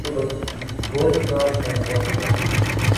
Боли тоа што не постојам.